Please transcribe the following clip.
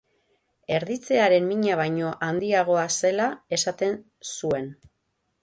Erditzearen mina baino handiagoa zela esaten zuen.